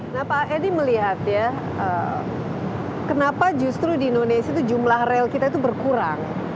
nah pak edi melihat ya kenapa justru di indonesia itu jumlah rel kita itu berkurang